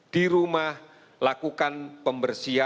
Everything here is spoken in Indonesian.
di rumah lakukan pembersihan pemotongan dan kesehatan